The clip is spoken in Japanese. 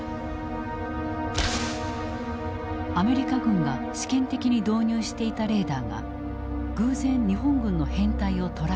アメリカ軍が試験的に導入していたレーダーが偶然日本軍の編隊を捉えた。